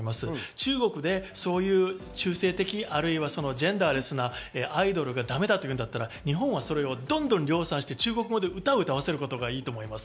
中国で中性的、あるいはジェンダーレスなアイドルがだめだというんだったら、日本はそれをどんどん量産して、中国語で歌わせるのがいいと思います。